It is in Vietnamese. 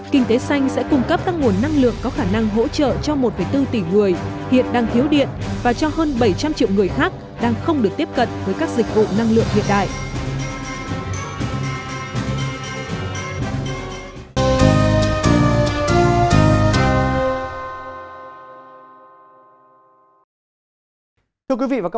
kinh tế xanh sẽ cung cấp các nguồn năng lượng có khả năng hỗ trợ cho một bốn tỷ người hiện đang thiếu điện và cho hơn bảy trăm linh triệu người khác đang không được tiếp cận với các dịch vụ năng lượng hiện đại